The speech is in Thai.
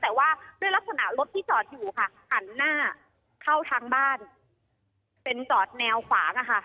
แต่ว่าด้วยลักษณะรถที่จอดอยู่ค่ะหันหน้าเข้าทางบ้านเป็นจอดแนวขวางอะค่ะ